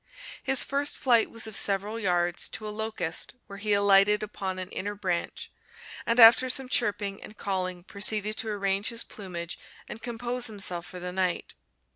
His first flight was of several yards, to a locust, where he alighted upon an inner branch, and after some chirping and calling proceeded to arrange his plumage and compose himself for the night.